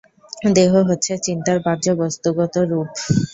দেহ হচ্ছে চিন্তার বাহ্য বস্তুগত রূপ।